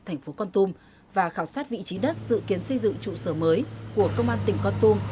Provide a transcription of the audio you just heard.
thành phố con tum và khảo sát vị trí đất dự kiến xây dựng trụ sở mới của công an tỉnh con tum